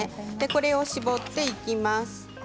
これを絞っていきます。